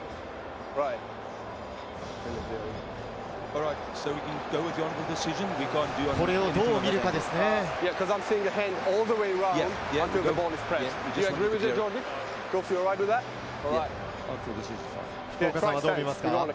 これをどう見るかですね。